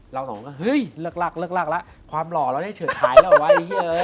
เราสองคนก็เฮ้ยเลิกแล้วความหล่อเราได้เฉิดถ่ายแล้วไว้